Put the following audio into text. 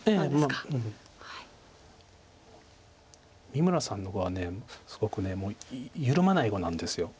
三村さんの碁はすごく緩まない碁なんです。